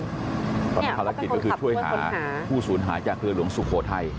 ตอนนี้เขาเป็นคนขับเพื่อค้นหาคุณประกิจก็คือช่วยหาผู้สูญหาจากเรือหลวงสุโขทัย